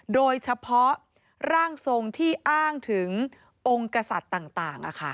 โดยเฉพาะร่างทรงที่อ้างถึงองค์กษัตริย์ต่าง